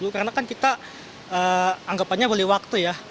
karena kan kita anggapannya boleh waktu ya